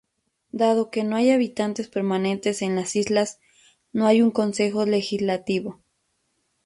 Dado que no hay habitantes permanentes en las islas, no hay un consejo legislativo.